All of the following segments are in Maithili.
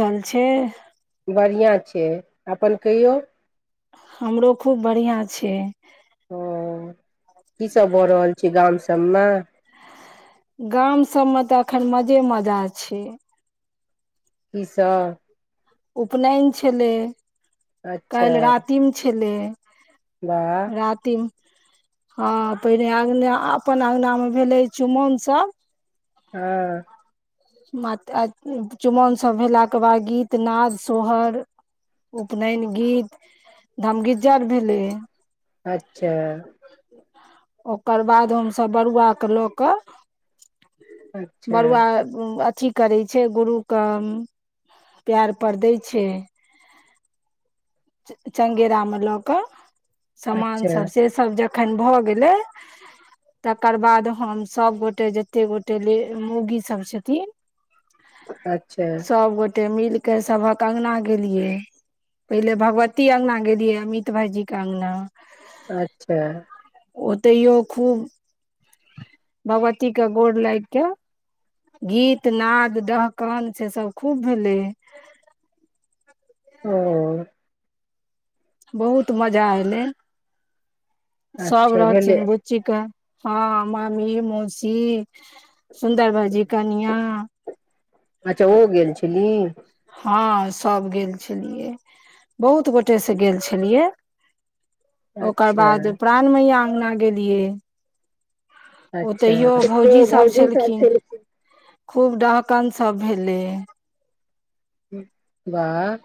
चल छै। बढ़िआँ छै अपन कहियौ। हमरो खूब बढ़ियाँ छै। हां की सब भऽ रहल छै गाम सब मे। गाम सब मे तऽ अखन मजे मजा छै। की सब। उपनैन छलै, अच्छा काएल रातिम छलै। वाह रातिम हां पहिने अंगना, अपन अंगना मे भेलै चुमौन सब। हां। मात आ चुमौन सब भेला के बाद गीत, नाद, सोहर उपनैन गीत धमगिजर भेलै। अच्छा। ओकर बाद हम सब बरुआ क लऽ के अच्छा। अथी करै छै गुरु के पाएर पर दै छै। चे चंगेरा मे लऽ क समान अच्छा सब से सब ज खन भ गेले। तकर बाद हम सब गोटे जते गोटे ले मोगी सब छथिन। अच्छा। ते मिल के सबहक अंगना गेलियै पहिले भगवती अंगना गेलियै, अमित भाईजी के अंगना। अच्छा। ओतैयो खूब भगवती के गोड़ लाएग के गीत, नाद, डहकन से सब खूब भेलै हे। औ बहुत मजा एलै, सब अच्छा भेलै रहथिन बुच्ची के। हां मामी, मौसी, सुन्दर भायजी, कनिया। अच्छा ओ गेल छली। हां सब गेल छलियै, बहुत गोटे से गेल छलियै। ओकर अच्छा बाद प्राण मैया अंगना गेलियै। अच्छा ओतैयौ भौजी सब छलखिन। खूब डहकन सब भेलै। ऊं बाह।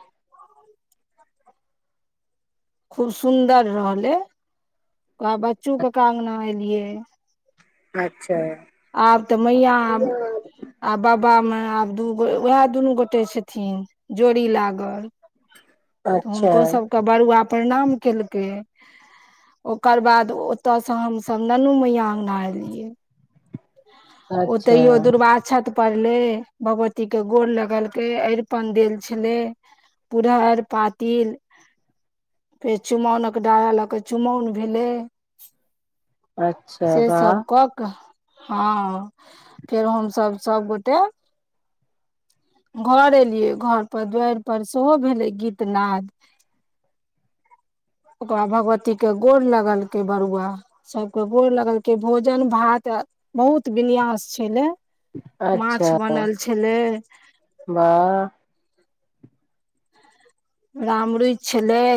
खूब सुन्दर रहलै आ बच्चू कका अंगना एलियै। अच्छा। आब तऽ मैया आ बबा मे आब दू ओय उहाए दुनू गोटे छथिन जोड़ी लागल। तऽ अच्छा हुनको सबके बरुआ प्रणाम केलकै। ओकर बाद ओता से हम सब ननु मैया अंगना एलियै। अच्छा ओतैयो दुर्वा अक्षद पड़ लै, भगवती के गोर लगलक, एरपन देल छलै। पुरहर पातिल फेर चुमौनक डाला लऽ कऽ चुमौन भेलै। अच्छा से वाह सब कऽ के हां फेर हम सब सबगोटे घर एलियै घर पर दुआरि पर सेहो भेलै गीतनाद ओकर बाद भगवती के गोर लगलकै बरुआ‌, सबके गोर लगलकै, भोजन भात त बहुत विन्यास छै ने? माछ अच्छा बनल छलै। वाह रामरूचि छलै,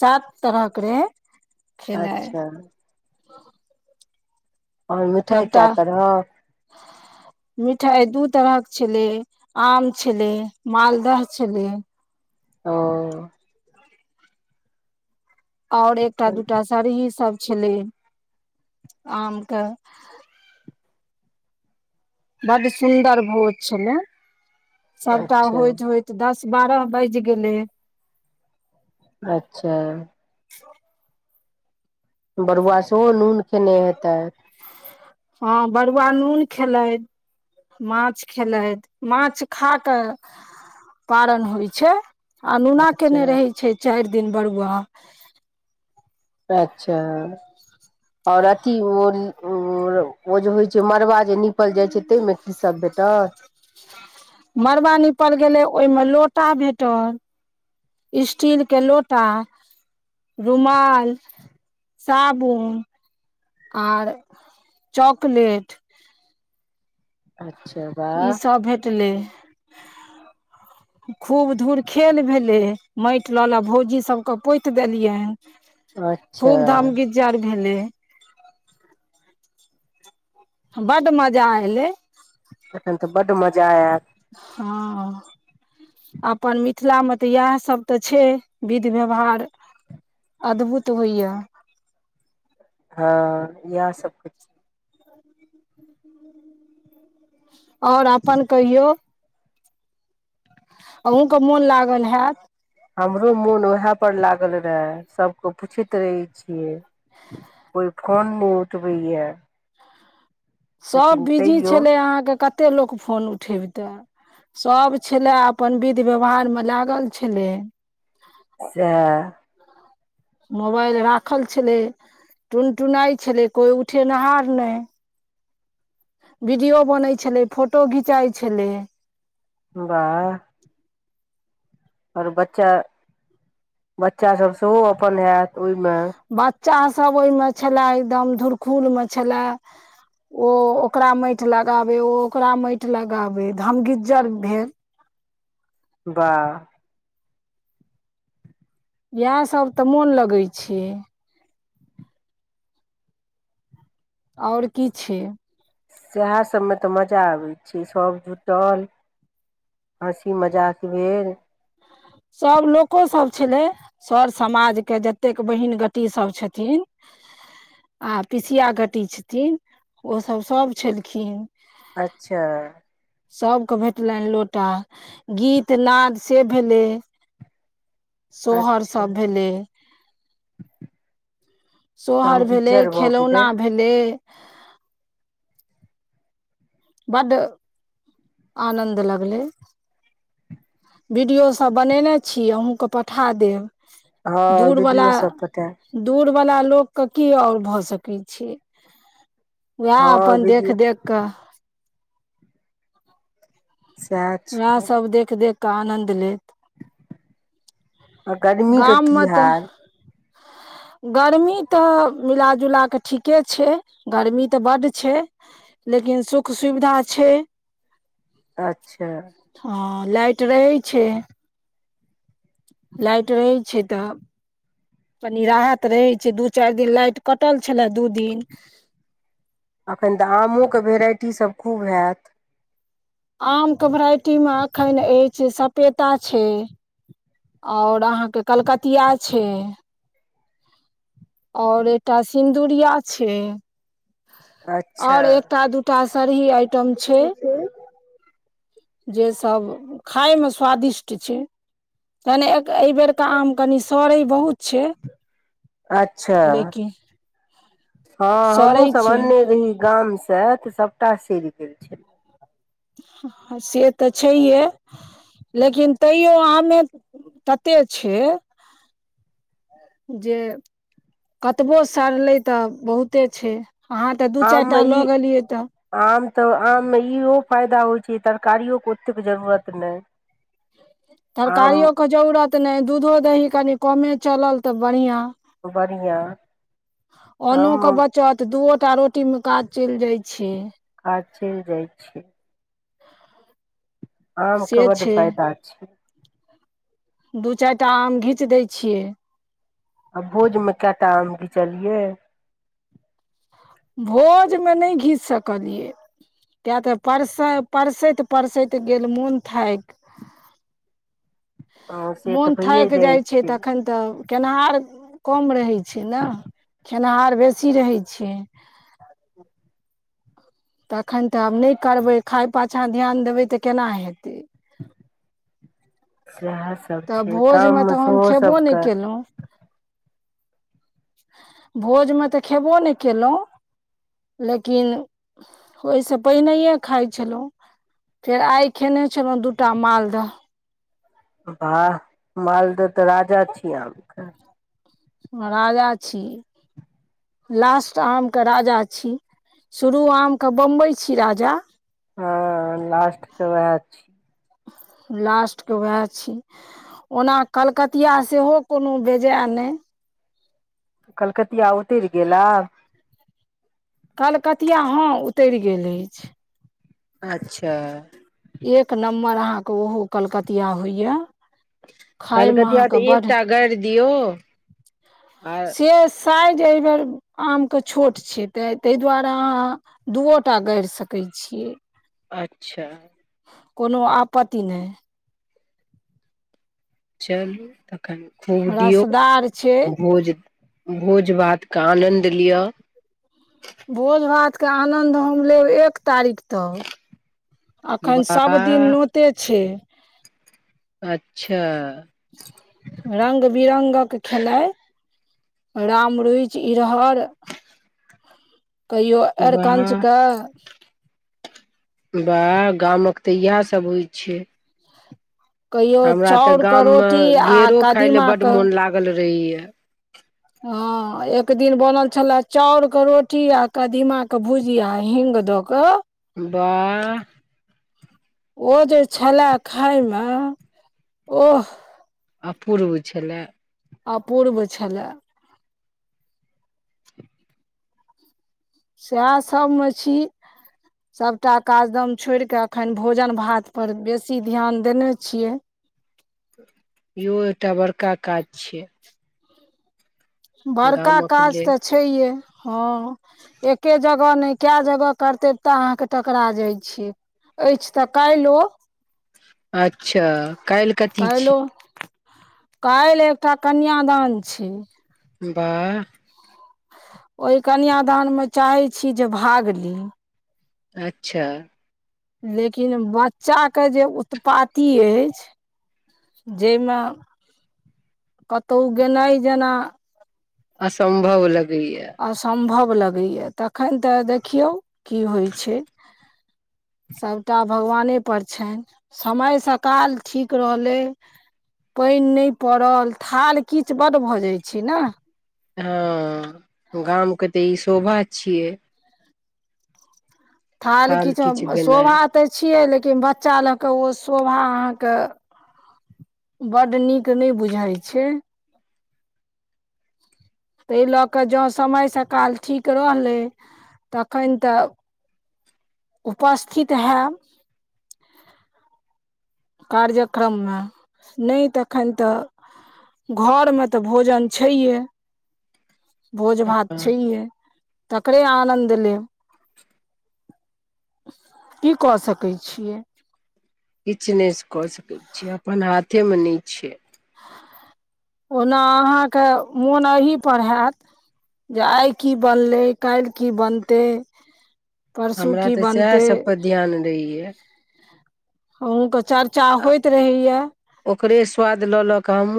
सात तरहके रहै। खेनाइ अच्छा। और मिठाइ कय सबटा तरहक। मिठाइ दू तरहक छलै, आम छलै, मालदह छलै। हं। और एकटा दूटा सरही सब छलै, आमके बड सुन्दर भोज छलै, सभटा अच्छा होइत होइत दस बारह बाजि गेलै। अच्छा। [unintelligible] बरुआ सेहो नून खेने हेतैत। हँ बरुआ नून खेलैन। माछ खेलैथ, माछ खा क पारन होइ छै। अनोना केने अच्छा रहै छै चारि दिन बरुआ। अच्छा। और अथी ओ जे होइ छै मड़बा जे निप निपल जाइ छै तैमे की सब भेटल? मड़बा निपल गेलै ओहिमे लोटा भेटल। स्टील के लोटा। रुमाल, साबुन। आर चॉकलेट। अच्छा। वाह ईसब भेटलै। [unintelligible] खूब धूर खेल भेलै, माटि ल ल भौजी सबके पोति देलियनि। अच्छा खूब धमगिज्जर भेलै। बड मजा एलै। तखन त बड मजा आयल। हँ। अपन मिथिलामे त यैह सब त छै विधि व्यवहार। अदभुत होइये। हँ इएह सब किछ और अपन कहियौ। अहूँके मोन लागल हैत। हमरो मोन उएह पर लागल रहए सभके पुछैत रहै छियै। कोई फोन नहि उठबैये। सभ बिजी छलै अहाँके कतेक लोक फोन उठेबितै। सभ छले अपन विधि व्यवहारमे लागल छलै। सयह। मोबाइल राखल छलै। टुन टुनाइ छलै कोइ उठेनिहार नहि। वीडियो बनैत छलै फोटो घिचाइ छलै। बाह। आओर बच्चा बच्चासभ सेहो अपन हत ओहिमे चाह सब ओहिमे छलए एकदम धुरखुल मे छलए। ओ ओकरा माटि लगाबै ओ ओकरा माटि लगाबै धमगिज्जर भेल। वाह। इएहसभ तऽ मोन लगै छै। आओर की छै। सएह सभमे तऽ मजा आबैत छै सभ जुटल हँसी मजाक भेल। सभ लोकोसभ छलै सर समाजके जतेक बहिन गटी सभ छथिन। [unintelligible] आ पिसिया गटी छथिन ओसभ सभ छलखिन। अच्छा सभके भेटलनि लोटा गीत नाद से भेले। सोहरसा अच्छा भेलै। एकदम सोहर भेलै गिज्जर भऽ गेलै खेलौना भेलै। बड्ड आनन्द लगलै। वीडियो सब बनेने छी अहहुँके पठा हँ देब। दूर वला वीडियो सब पटायल दूर वला लोक के की आओर भऽ सकै छै। वएह हँ अपन देख वीडियो देख कऽ सएह वएह सब देख देख कऽ आनन्द ले। अकादमी के की गाममे तऽ हाल। गर्मी तऽ मिलाजुला कऽ ठीके छै गर्मी तऽ बड्ड छै। लेकिन सुख सुविधा छै। अच्छा। हँ लाइट रहै छै। लाइट रहै छै तऽ। कनि राहत रहैत छै दू चारि दिन लाइट कटल छलय दू दिन एखन तऽ आमोके भेराइटीसभ खूब हैत। आमके भेराइटीमे एखन अछि सपेता छै। आओर अहाँके कलकतििया छै। आओर एटा सिन्दुरिया छै। अच्छा आओर एकटा दू टा सरही आइटम छै। जे सब खाय मे स्वादिष्ट छै तने एहिबेरके आम कनि सड़ै बहुत छै। अच्छा। लेकिन हँ सड़ै हमहूँसभ छै अन्ने रही गामसँ तऽ सभटा सड़ि गेल छलै। से तऽ छैहे। लेकिन तैयो आमे तते छै जे कतबो सड़ले तऽ बहुते छै। अहाँ तऽ दू चारि आममे टा लऽ ई गेलियै तऽ आम तऽ आममे ईहो फायदा होइ छै तरकारियोे ओतेक जरूरत नहि। आम तरकारियओे जरूरत नहि दूधो दही कनि कमे चलल तऽ बढ़िआँ। बढ़िआँ अनो आममे के बचत दुओ टा रोटीमे काज चलि जाइ छै। काज चलि जाइ छै। आम के से बड छै फायदा छै। दू चारि टा आम घीच दै छियै। आ भोजमे कए टा आम घिचलियै। भोजमे नहि घीच सकलियै किएक त परसै परसैत परसैत गेल मोन थाकि [unintelligible] से मोन तऽ भइए थाकि जाइ छै तखन त केेनिहार कम रहै छै ने, खेनिहार बेसी रहै छै। [unintelligible] तखैन त आब नहि करबै खाय पाछाँ ध्यान देबै त केना हेतै। सएह सब त छै भोजमे गाममे त हम सेहो खयबो नहि सबके कयलहुँ। भोजमे त खेबो नहि केलहुँ लेकिन ओहिसँ पहिनहिए खाइ छलहुँ। फेर आइ खेने छलहुँ दू टा मालदह। वाह मालदह त राजा छियै आम के। राजा छी। लास्ट आमके राजा छी, शुरू आमके बम्बई छी राजा। हँ लास्ट के वैह छी। लास्टके वैह छी, ओना कलकतिया सेहो कोनो बेजाय नहि। कलकतिया उतरि गेल आब। कलकतिया, हँ उतरि गेल अछि। अच्छा। एक नम्बर अहाँके ओहो कलकतिया होइए। खायमे कलकतिया अहाँके तऽ बड, एकटा गाड़ि दियौ आ शेष साइज एहिबेर आम के छोट छै, ताहि दुआारे अहां दुओटा गाड़ि सकै छी छियै। अच्छा। कोनो आपत्ति नहि। चलू तखैन खूब दियौ रसदार छै भोज, भोज भात के आनन्द लिय। ते आनन्द हम लेब एक तारीख तक, अखैन सब दिन वाह नोते छै। अच्छा। रंग रामरुचि, इरहर कहियो वाह अरकंचके वाह गामक त इएह सब होइ छै। कहियो हमरा त चाउरके गाममे रोटी आ घेरो खाय लेल बड कदीमाके मोन लागल रहैए। हँ एक दिन बनल छले चाउर के रोटी आ कदीमा के भुजिया हि हिंग द क। वाह। ओ जे छले खायमे ओह अपूर्व छले। अपूर्व छलए। [inaudible] सएह सभमे छी। सभटा काजदम छोड़ कऽ एखन भोजन भात पर बेसी ध्यान देने छियै। इहो एकटा बड़का काज छिये। बड़का काज लेल तऽ छहये हँ एके जग हँ नै का जगह करते तऽ अहाँके टकरा जाइ छी। अइछ तऽ काइलो। अच्छा काइल कथी छि। काइल एकटा कन्यादान छी। बाह। ओय कन्यादानमे चाहै छी जे भाग ली। अच्छा। लेकिन बच्चाके जे उत्पाती अइछ जैय मे कतउ गेनाइ जेना असंम्भव लग असंभव व लगैया तखन तऽ देखियौ की होइ छैय। सभटा भगवानेपर छैन समय सकाल ठीक रहलै। पइन नै पड़ल थाल किच बड भऽ जाइ छैय न। हँ गामके तऽ ई शोभा छियै। थाल किच किछु भेनाइ शोभा तऽ छियै लेकिन बच्चा लऽक ओ शोभा अहाँके बड्ड नीक नै बुझाइ छैय। तै लऽ कऽ जँ समय सकाल ठीक रहलै तखन तऽ उपस्थित हैब कार्यक्रम मे नै तखन तऽ घरमे तऽ भोजन छैहे भोज भात छैहे तकरे आनन्द लेब। की कऽ सकै छियै। किछ नै कऽ सकै छियै अपन हाथेमे नै छैय। ओना अहाँके मोन अही पर हैत। जे आइ की बनलै काइल की बनतै। परसू हमरा की तऽ सएह बनतै। सब पर ध्यान रहैया अहुँके चर्चा होइत रहैया। ओकरे स्वाद लऽ लऽ क हमु